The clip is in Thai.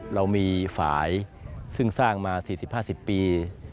เรามีฝ่ายซึ่งสร้างมา๔๐๕๐ปี